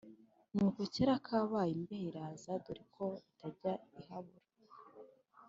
ni uko kera kabaye imbeho iraza dore ko itajya ihabura.